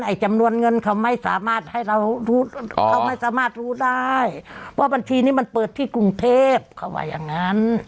จำนวนเงินเขาไม่สามารถให้เรารู้เขาไม่สามารถรู้ได้ว่าบัญชีนี้มันเปิดที่กรุงเทพเขาว่าอย่างนั้น